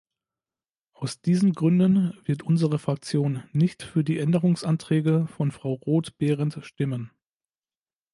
Aus diesen Gründen wird unsere Fraktion nicht für die Änderungsanträge von Frau Roth-Behrendt stimmen.